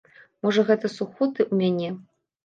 Можа гэта сухоты ў мяне?